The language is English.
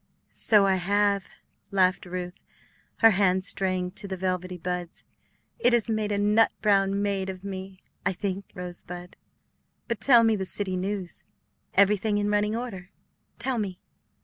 "So I have," laughed Ruth, her hand straying to the velvety buds; "it has made a 'nut brown mayde' of me, I think, Rosebud. But tell me the city news. Everything in running order? Tell me."